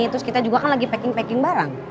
terus kita juga kan lagi packing packing barang